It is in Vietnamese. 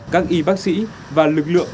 các y bác sĩ và lực lượng